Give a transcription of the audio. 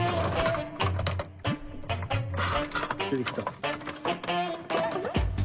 出てきた。